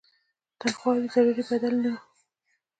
تنخواوې یې ضروري بدل نه وو.